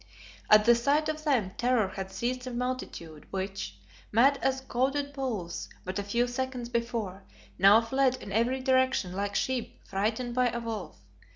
At the sight of them terror had seized that multitude which, mad as goaded bulls but a few seconds before, now fled in every direction like sheep frightened by a wolf.